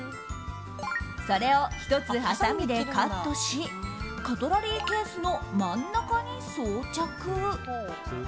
それを１つ、はさみでカットしカトラリーケースの真ん中に装着。